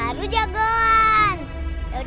ya udah deh yuk